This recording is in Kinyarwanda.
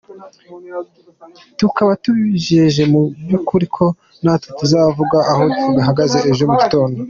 Tukaba tubijeje mu by’ukuri ko natwe tuzavuga aho duhagaze ejo mu gitondo.